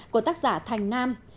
của tác giả thành nam